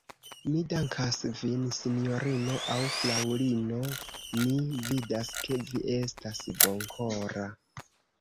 Mi dankas vin, sinjorino aŭ fraŭlino; mi vidas, ke vi estas bonkora.